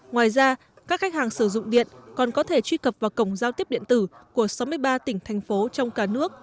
ngoài ra các khách hàng sử dụng điện còn có thể truy cập vào cổng giao tiếp điện tử của sáu mươi ba tỉnh thành phố trong cả nước